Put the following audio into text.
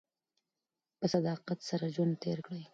په صداقت سره ژوند تېر کړئ.